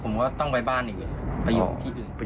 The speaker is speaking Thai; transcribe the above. ผมก็ต้องไปบ้านอีกไปอยู่ที่อื่น